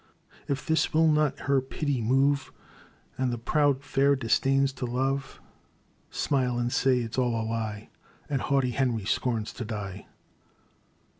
" If this will not her pity move. And the proud fair disdains to love, Smile and say 't is all a lie, And haughty Henry scorns to die